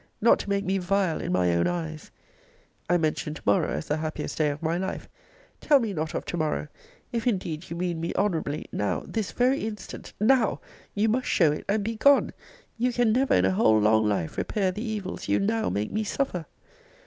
not to make me vile in my own eyes!' I mentioned to morrow as the happiest day of my life. Tell me not of to morrow. If indeed you mean me honourably, now, this very instant NOW! you must show it, and be gone! you can never in a whole long life repair the evils you NOW make me suffer!